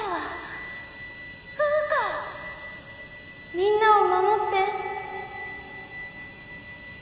みんなをまもって！